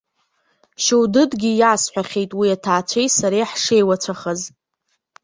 Шьоудыдгьы иасҳәахьеит уи аҭаацәеи сареи ҳшеиуацәахаз.